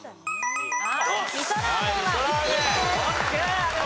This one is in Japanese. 味噌ラーメンは１位です。